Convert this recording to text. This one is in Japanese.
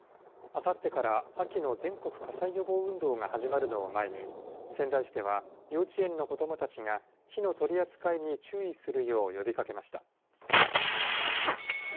あさってから秋の全国火災予防運動が始まるのを前に仙台市では幼稚園の子どもたちが火の取り扱いに注意するよう呼びかけました。